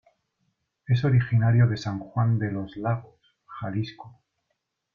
Es originario de San Juan de los Lagos, Jalisco.